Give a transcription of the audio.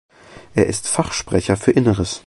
Er ist Fachsprecher für Inneres.